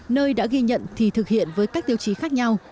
nơi đã ghi nhận thì thực hiện với các tiêu chí khác nhau